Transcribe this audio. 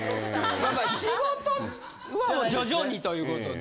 やっぱり仕事は徐々にということで。